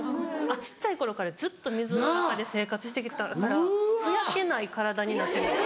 小っちゃい頃からずっと水の中で生活してきたからふやけない体になってるんです。